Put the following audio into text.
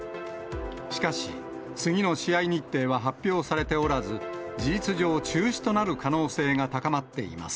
しかし、次の試合日程は発表されておらず、事実上、中止となる可能性が高まっています。